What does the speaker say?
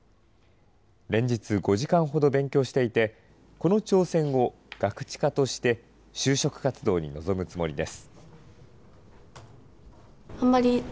連日５時間ほど勉強していて、この挑戦をガクチカとして、就職活動に臨むつもりです。